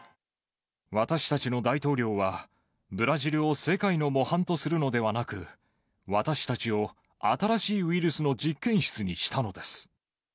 私たちの大統領は、ブラジルを世界の模範とするのではなく、私たちを新しいウイルスの実験室にしたのです。